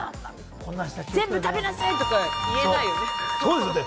全部食べなさいとか言えないですよね。